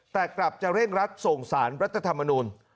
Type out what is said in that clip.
แต่กลับจะเร่งรัดส่งสารรัฐธรรมนูล